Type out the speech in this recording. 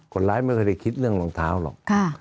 คนร้ายไม่เคยได้คิดเรื่องรองเท้าหรอก